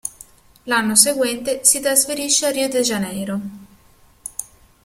L'anno seguente si trasferisce a Rio de Janeiro.